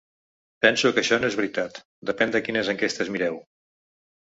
Penso que això no és veritat, depèn de quines enquestes mireu.